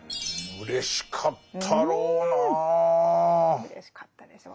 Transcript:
うれしかったでしょうね。